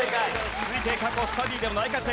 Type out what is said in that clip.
続いて過去スタディでも大活躍